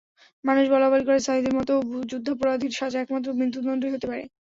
মানুষ বলাবলি করে, সাঈদীর মতো যুদ্ধাপরাধীর সাজা একমাত্র মৃত্যুদণ্ডই হতে পারে।